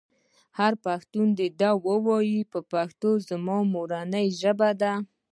هر پښتون دې ووايي پښتو زما مورنۍ ژبه ده.